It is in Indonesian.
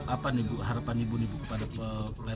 apa harapan ibu kepada pemprov